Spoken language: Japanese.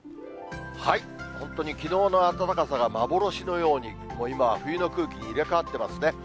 本当にきのうの暖かさが幻のように、今は冬の空気に入れ代わってますね。